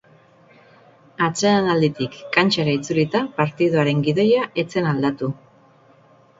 Atsedenalditik kantxara itzulita partidaren gidoia ez zen aldatu.